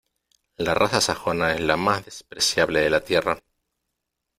la raza sajona es la más despreciable de la tierra .